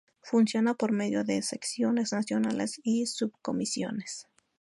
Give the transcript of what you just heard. Funciona por medio de secciones nacionales y subcomisiones.